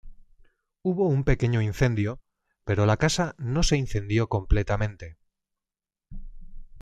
Hubo un pequeño incendio, pero la casa no se incendió completamente.